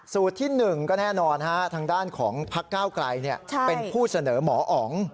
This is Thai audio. ที่๑ก็แน่นอนทางด้านของพักก้าวไกลเป็นผู้เสนอหมออ๋อง